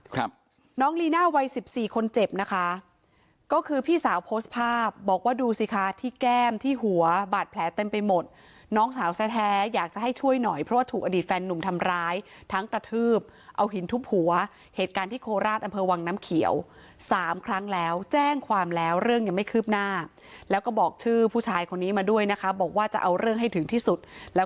ครับน้องลีน่าวัยสิบสี่คนเจ็บนะคะก็คือพี่สาวโพสต์ภาพบอกว่าดูสิคะที่แก้มที่หัวบาดแผลเต็มไปหมดน้องสาวแท้แท้อยากจะให้ช่วยหน่อยเพราะว่าถูกอดีตแฟนนุ่มทำร้ายทั้งกระทืบเอาหินทุบหัวเหตุการณ์ที่โคราชอำเภอวังน้ำเขียวสามครั้งแล้วแจ้งความแล้วเรื่องยังไม่คืบหน้าแล้วก็บอกชื่อผู้ชายคนนี้มาด้วยนะคะบอกว่าจะเอาเรื่องให้ถึงที่สุดแล้ว